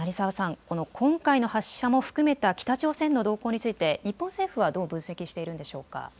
今回の発射も含めた北朝鮮の動向について日本政府はどう分析しているんでしょうか。